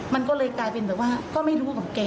มันก็เลยกลายเป็นแบบว่าก็ไม่รู้กับแก